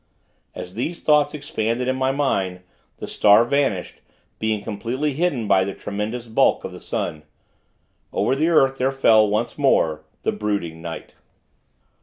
As these thoughts expanded in my mind, the star vanished; being completely hidden by the tremendous bulk of the sun. Over the earth there fell, once more, the brooding night.